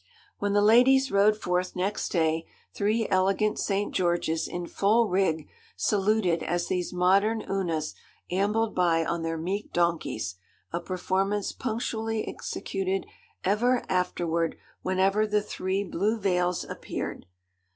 When the ladies rode forth next day, three elegant St. Georges in full rig saluted as these modern Unas ambled by on their meek donkeys a performance punctually executed ever afterward whenever the three blue veils appeared.